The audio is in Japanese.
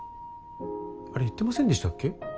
あれ言ってませんでしたっけ？